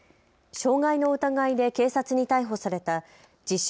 傷害の疑いで警察に逮捕された自称